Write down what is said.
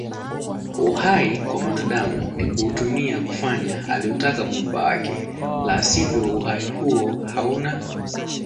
Uhai kwa mwanadamu nikuutumia kufanya aliyotaka Muumba wake la sivyo uhai huo hauna